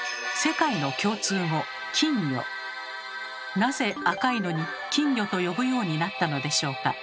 なぜ赤いのに金魚と呼ぶようになったのでしょうか？